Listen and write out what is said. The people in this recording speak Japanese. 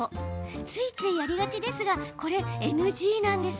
ついついやりがちですがこれＮＧなんです。